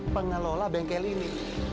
pengelola bengkel ini